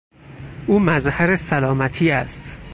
او مظهر سلامتی است.